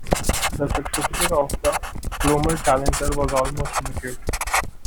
The success of the "Glomar Challenger" was almost immediate.